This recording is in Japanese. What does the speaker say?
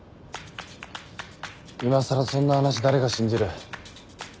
今さらそんな話誰が信じる？